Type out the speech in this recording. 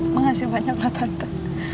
mengasih banyak lah tante